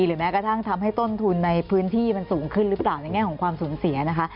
แม้กระทั่งทำให้ต้นทุนในพื้นที่มันสูงขึ้นหรือเปล่าในแง่ของความสูญเสียนะคะ